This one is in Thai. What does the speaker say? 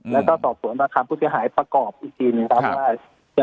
แล้วก็ตอบส่วนประคับผู้ที่หายประกอบจริงตามว่า